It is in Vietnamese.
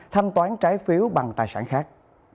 thanh toán trái phiếu bằng tài sản khác